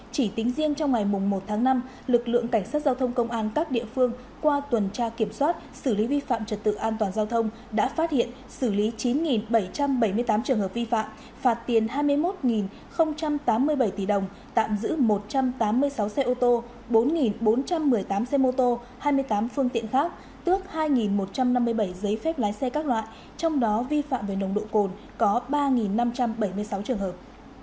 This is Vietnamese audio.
chỉ tính riêng trong ngày một tháng năm lực lượng cảnh sát giao thông công an các địa phương qua tuần tra kiểm soát xử lý vi phạm trật tự an toàn giao thông đã phát hiện xử lý chín bảy trăm bảy mươi tám trường hợp vi phạm phạt tiền hai mươi một tám mươi bảy tỷ đồng tạm giữ một trăm tám mươi sáu xe ô tô bốn bốn trăm một mươi tám xe mô tô hai mươi tám phương tiện khác tước hai một trăm năm mươi bảy giấy phép lái xe các loại trong đó vi phạm về nồng độ cồn có ba năm trăm bảy mươi sáu trường hợp